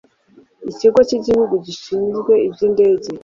Ikigo cy Igihugu gishinzwe iby indege